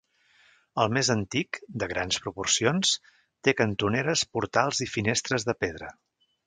El més antic, de grans proporcions, té cantoneres, portals i finestres de pedra.